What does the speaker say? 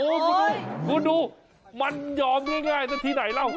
โอ้โฮนี่ดูมันหยอมง่ายแล้วทีไหนแล้ว